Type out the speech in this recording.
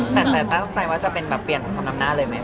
แต่ถ้าคิดว่าจะเป็นแบบเปลี่ยนของน้ำหน้าเลยมั้ย